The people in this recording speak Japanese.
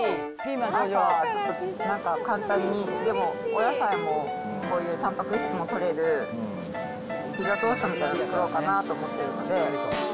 朝は簡単に、でも、お野菜も、こういうたんぱく質もとれるピザトーストみたいなのを作ろうかなと思ってるんで。